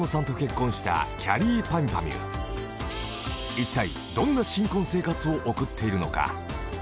［いったいどんな新婚生活を送っているのか？］